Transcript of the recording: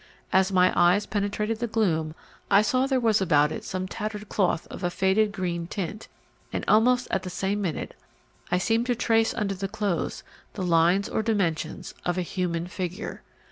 As my eyes penetrated the gloom, I saw there was about it some tattered cloth of a faded green tint, and almost at the same minute I seemed to trace under the clothes the lines or dimensions of a human figure.